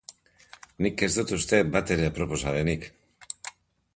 Nik ez dut uste bat ere aproposa denik.